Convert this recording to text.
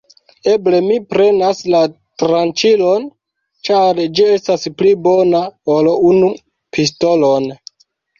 Eble mi prenas la tranĉilon, ĉar ĝi estas pli bona ol unu pistolon.